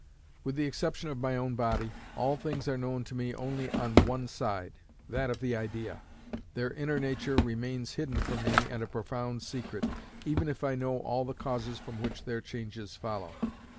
With the exception of my own body, all things are known to me only on one side, that of the idea. Their inner nature remains hidden from me and a profound secret, even if I know all the causes from which their changes follow.